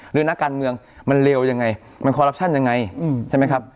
นักการเมืองมันเลวยังไงมันคอรัปชั่นยังไงใช่ไหมครับ